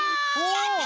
やった！